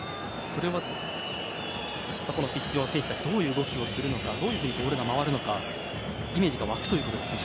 それはこのピッチ上の選手たちどういう動きをするのかどういうふうにボールが回るのかイメージが湧くということですか。